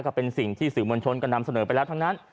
ก็เป็นสิ่งที่สื่อมวลชนก็นำเสนอไปแล้วทั้งนั้น